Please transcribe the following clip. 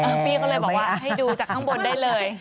พี่ก็เลยบอกว่าให้ดูจากข้างบนได้เลย